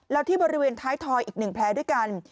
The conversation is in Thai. แล้วที่บริเวณท้ายทอยอีก๑แผลด้วยกัน